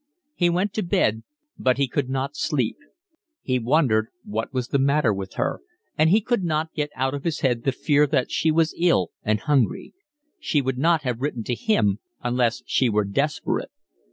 He went to bed, but he could not sleep; he wondered what was the matter with her, and he could not get out of his head the fear that she was ill and hungry; she would not have written to him unless she were desperate.